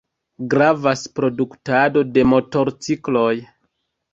Gravas produktado de motorcikloj.